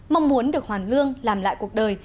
mong muốn được hoàn lương làm lại cuộc đời